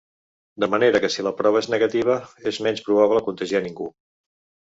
De manera que si la prova és negativa, és menys probable contagiar ningú.